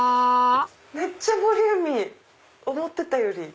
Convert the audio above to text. めっちゃボリューミー！思ってたより。